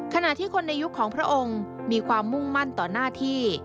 ขณะที่คนในยุคของพระองค์มีความมุ่งมั่นต่อหน้าที่